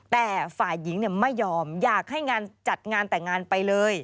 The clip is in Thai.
แต่ฝ่ายหญิงไม่ยอมอยากให้งานจัดงานแต่งงานไปเลย